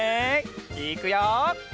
いくよ！